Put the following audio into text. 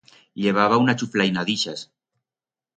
Llevaba una chuflaina d'ixas.